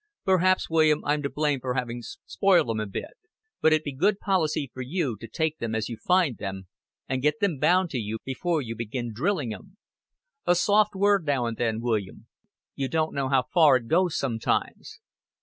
"Perhaps, William, I'm to blame for having spoilt 'em a bit; but it'd be good policy for you to take them as you find them, and get them bound to you before you begin drilling 'em. A soft word now and then, William you don't know how far it goes sometimes."